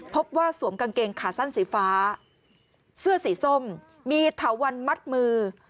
สวมกางเกงขาสั้นสีฟ้าเสื้อสีส้มมีเถาวันมัดมือ